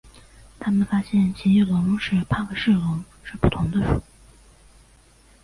他们发现奇异龙与帕克氏龙是不同的属。